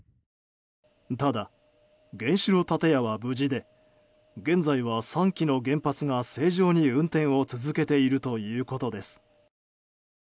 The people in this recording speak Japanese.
ただ、原子炉建屋は無事で現在は３基の原発が正常に、運転を続けているということです。